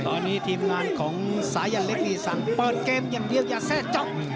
ตอนนี้ทีมงานของสายันเล็กนี่สั่งเปิดเกมอย่างเดียวอย่าแทร่จ๊อก